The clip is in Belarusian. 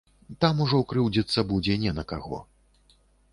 Там ужо крыўдзіцца будзе не на каго.